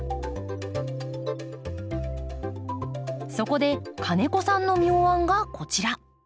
そこで金子さんの妙案がこちら。